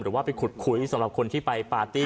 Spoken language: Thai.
หรือว่าไปขุดคุยสำหรับคนที่ไปปาร์ตี้